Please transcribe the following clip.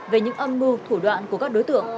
về những âm mưu thủ đoạn của các đối tượng